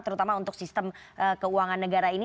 terutama untuk sistem keuangan negara ini